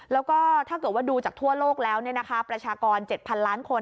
แล้วก็ถ้าเกิดว่าดูจากทั่วโลกแล้วประชากร๗๐๐ล้านคน